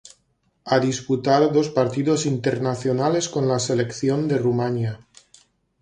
Ha disputado dos partidos internacionales con la selección de Rumania.